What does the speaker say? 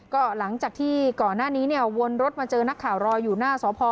ก็หลังจากที่ก่อนหน้านี้เนี่ยวนรถมาเจอนักข่าวรออยู่หน้าสพ